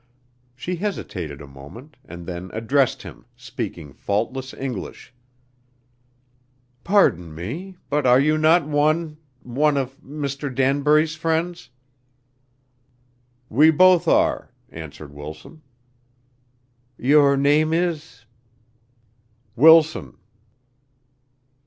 She hesitated a moment, and then addressed him, speaking faultless English: "Pardon me, but are not you one one of Mr. Danbury's friends?" "We both are," answered Wilson. "Your name is " "Wilson."